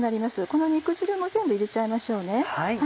この肉汁も全部入れちゃいましょうね。